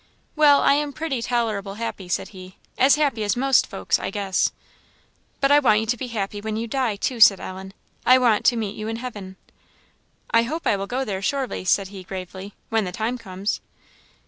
"Well, I am pretty tolerable happy," said he; "as happy as most folks, I guess." "But I want you to be happy when you die, too," said Ellen "I want to meet you in heaven" "I hope I will go there, surely," said he, gravely "when the time comes."